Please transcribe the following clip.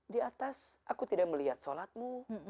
di atas aku tidak melihat sholatmu